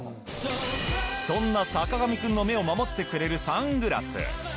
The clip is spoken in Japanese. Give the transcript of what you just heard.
そんな坂上くんの目を守ってくれるサングラス。